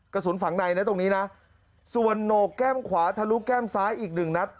กระสุนฝังในนะตรงนี้นะส่วนโหนกแก้มขวาทะลุแก้มซ้ายอีกหนึ่งนัด